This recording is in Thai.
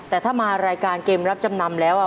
แต่ถ้ามารายการเกมรับจำนำแล้ว